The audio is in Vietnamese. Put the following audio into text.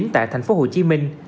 tại thành phố hồ chí minh